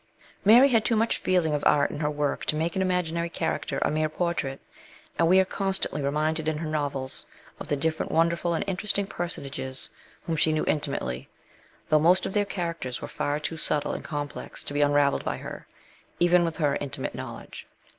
Mary had too much feeling of art in her work to make an imaginary character a mere portrait, and we are constantly reminded in her novels of the different wonderful and interesting personages whom she knew intimately, though most of their characters were far too subtle and complex to be unravelled by her, even with her intimate knowledge.